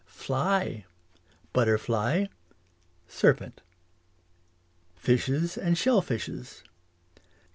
Fly Butter fly Serpent. Fishes and shell fishes.